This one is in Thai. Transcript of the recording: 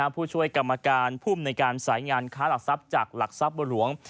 ผู้ช่วยกรรมการภูมิในการสายงานค้าหลักทรัพย์จากหลักทรัพย์บัวหลวง